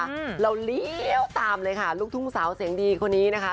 อืมเราเลี้ยวตามเลยค่ะลูกทุ่งสาวเสียงดีคนนี้นะคะ